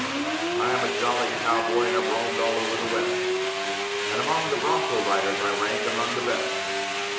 I am a jolly cowboy and have roamed all over the West, And among the bronco riders I rank among the best.